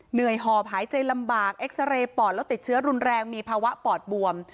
หอบหายใจลำบากเอ็กซาเรย์ปอดแล้วติดเชื้อรุนแรงมีภาวะปอดบวม